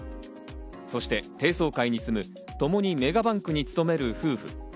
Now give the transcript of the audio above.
そして低層階に住む、ともにメガバンクに勤める夫婦。